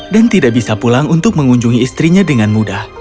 tidak bisa pulang untuk mengunjungi istrinya dengan mudah